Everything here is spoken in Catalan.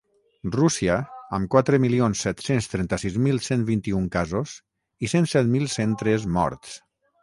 Rússia, amb quatre milions set-cents trenta-sis mil cent vint-i-un casos i cent set mil cent tres morts.